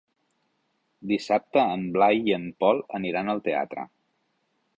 Dissabte en Blai i en Pol aniran al teatre.